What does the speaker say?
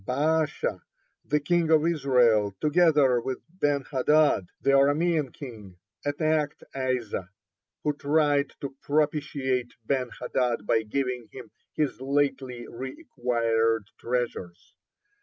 Baasha, the king of Israel, together with Ben hadad, the Aramean king, attacked Asa, who tried to propitiate Ben hadad by giving him his lately re acquired treasures.